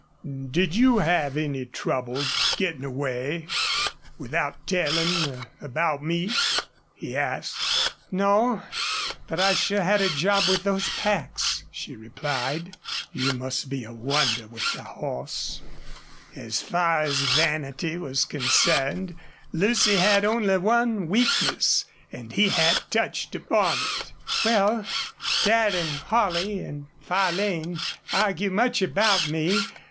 "Did you have any trouble gettin' away, without tellin' about me?" he asked. "No. But I sure had a job with those packs," she replied. "You must be a wonder with a horse." As far as vanity was concerned Lucy had only one weakness and he had touched upon it. "Well, Dad and Holley and Farlane argue much about me.